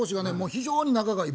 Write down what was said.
非常に仲がいい。